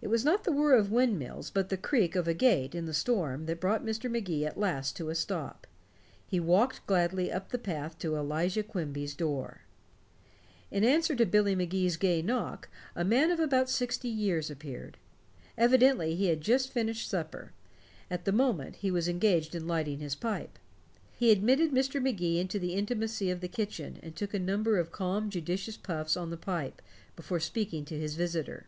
It was not the whir of windmills but the creak of a gate in the storm that brought Mr. Magee at last to a stop. He walked gladly up the path to Elijah Quimby's door. In answer to Billy Magee's gay knock, a man of about sixty years appeared. Evidently he had just finished supper; at the moment he was engaged in lighting his pipe. He admitted Mr. Magee into the intimacy of the kitchen, and took a number of calm judicious puffs on the pipe before speaking to his visitor.